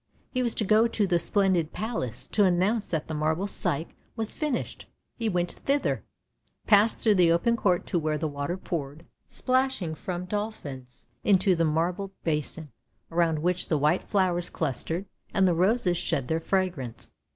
He was to go to the splendid palace, to announce that the marble Psyche was finished. He went thither, passed through the open court to where the water poured, splashing from dolphins, into the marble basin, around which the white flowers clustered, and the roses shed their fragrance.